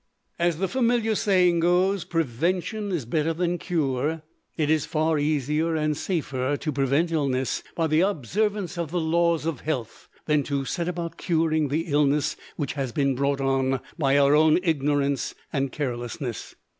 As the familiar saying goes, 'Prevention is better than cure.' It is far easier and safer to prevent illness by the observance of the laws of health than to set about curing the illness which has been brought on by our own ignorance and carelessness.